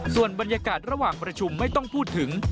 ส่วนบรรยากาศระหว่างประชุมไม่ต้องพูดถึง